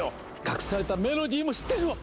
隠されたメロディーも知ってるわ！